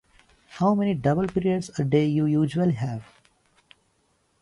How many double periods a day do you usually have?